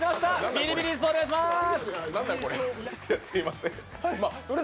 ビリビリ椅子、お願いします。